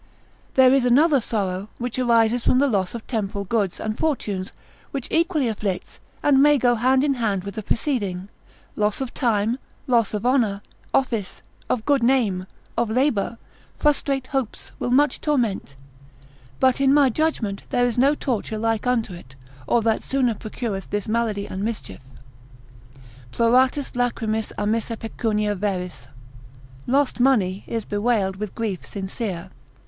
There is another sorrow, which arises from the loss of temporal goods and fortunes, which equally afflicts, and may go hand in hand with the preceding; loss of time, loss of honour, office, of good name, of labour, frustrate hopes, will much torment; but in my judgment, there is no torture like unto it, or that sooner procureth this malady and mischief: Ploratur lachrymis amissa pecunia veris: Lost money is bewailed with grief sincere.